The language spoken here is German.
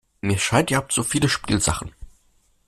Mir scheint, ihr habt viel zu viele Spielsachen.